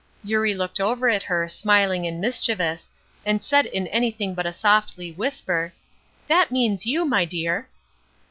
Eurie looked over at her, smiling and mischievous, and said in anything but a softly whisper, "That means you, my dear."